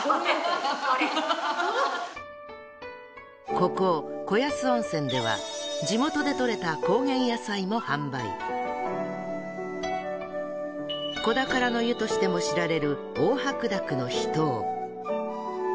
ここ子安温泉では地元で採れた子宝の湯としても知られる黄白濁の秘湯。